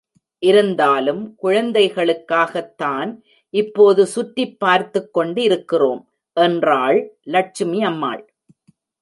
இருந்தாலும், குழந்தைகளுக்காகத் தான் இப்போது சுற்றிப் பார்த்துக் கொண்டிருக்கிறோம், என்றாள் லட்சுமி அம்மாள்.